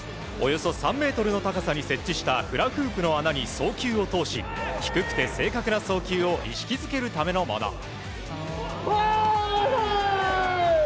およそ３ｍの高さに設置したフラフープの穴に送球を通し低くて正確な送球を意識づけるためのもの。